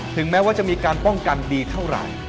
แม้ว่าจะมีการป้องกันดีเท่าไหร่